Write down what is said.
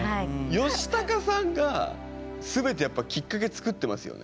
ヨシタカさんが全てやっぱきっかけ作ってますよね。